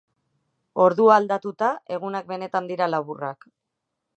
Ordua aldatuta, egunak benetan dira laburrak.